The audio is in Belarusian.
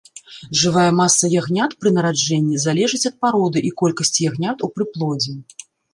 Жывая маса ягнят пры нараджэнні залежыць ад пароды і колькасці ягнят у прыплодзе.